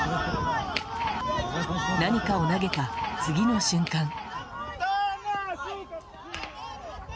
何かを投げた次の瞬間。